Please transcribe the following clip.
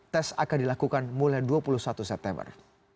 tes akan dilakukan mulai dua puluh satu september